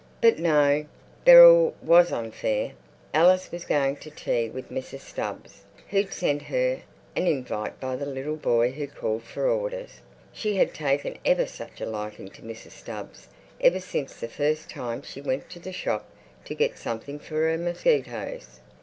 But no, Beryl was unfair. Alice was going to tea with Mrs Stubbs, who'd sent her an "invite" by the little boy who called for orders. She had taken ever such a liking to Mrs. Stubbs ever since the first time she went to the shop to get something for her mosquitoes.